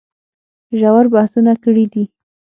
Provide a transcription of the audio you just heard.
ژور بحثونه کړي دي